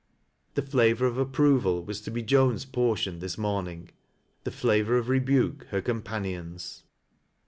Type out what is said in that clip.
The flavor of approval was to be Joan's portion this morning ; the flavor of rebuke her companion's.